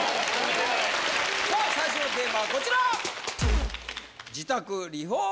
さあ最初のテーマはこちら！